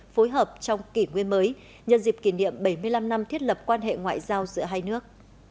phối hợp trong kỷ nguyên mới nhân dịp kỷ niệm bảy mươi năm năm thiết lập quan hệ ngoại giao giữa hai nước